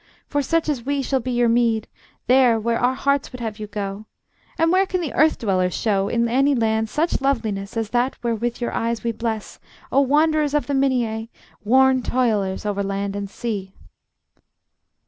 For such as we shall be your meed, There, where our hearts would have you go. And where can the earth dwellers show In any land such loveliness As that wherewith your eyes we bless, O wanderers of the Minyæ, Worn toilers over land and sea?